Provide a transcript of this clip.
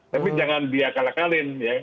tapi jangan diakal akalin